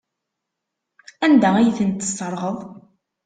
Anda ay ten-tesserɣeḍ?